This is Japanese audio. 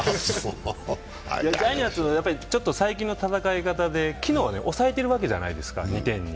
ジャイアンツ、最近の戦い方で昨日は抑えてるわけじゃないですか、２点に。